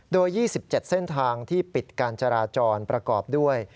โดย๒๗เส้นทางที่ปิดการจราจรประกอบด้วย